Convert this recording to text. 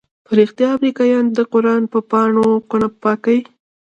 په رښتيا امريکايان د قران په پاڼو كونه پاكيي؟